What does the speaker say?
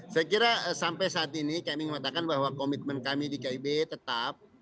saya kira sampai saat ini kami mengatakan bahwa komitmen kami di kib tetap